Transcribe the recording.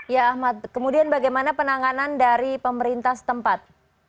ya ahmad kemudian bagaimana penanganan dari pemerintah setempat